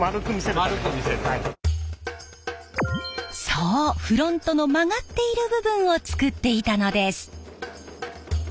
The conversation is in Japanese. そうフロントの曲がっている部分を作っていたのです！